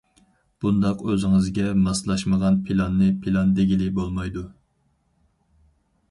بۇنداق ئۆزىڭىزگە ماسلاشمىغان پىلاننى پىلان دېگىلى بولمايدۇ.